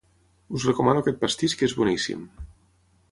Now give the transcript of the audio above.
Us recomano aquest pastís que és boníssim.